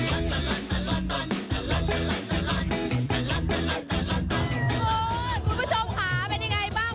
คุณผู้ชมค่ะเป็นยังไงบ้าง